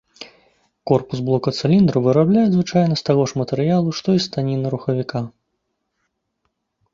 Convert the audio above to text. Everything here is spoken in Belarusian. Корпус блока цыліндраў вырабляюць звычайна з таго ж матэрыялу, што і станіна рухавіка.